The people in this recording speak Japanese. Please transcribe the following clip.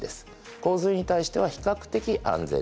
洪水に対しては比較的安全です。